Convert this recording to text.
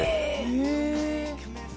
へえ！